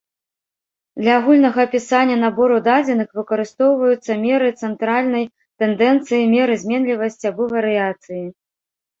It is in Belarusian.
Для агульнага апісання набору дадзеных выкарыстоўваюцца меры цэнтральнай тэндэнцыі, меры зменлівасці або варыяцыі.